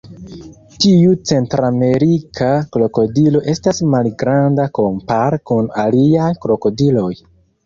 Tiu centramerika krokodilo estas malgranda kompare kun aliaj krokodiloj.